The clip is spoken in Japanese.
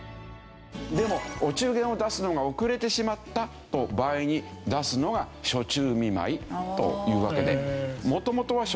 でもお中元を出すのが遅れてしまった場合に出すのが暑中見舞いというわけで。